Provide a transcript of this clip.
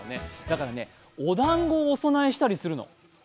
だからね、おだんごをお供えしたりするの。